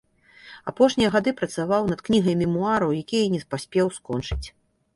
Апошнія гады працаваў над кнігай мемуараў, якія не паспеў скончыць.